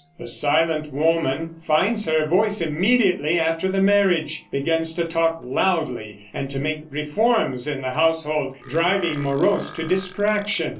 The silent woman finds her voice immediately after the marriage, begins to talk loudly and to make reforms in the household, driving Morose to distraction.